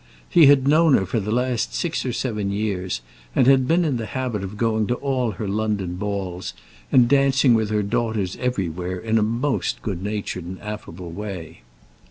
He had known her for the last six or seven years, and had been in the habit of going to all her London balls, and dancing with her daughters everywhere, in a most good natured and affable way.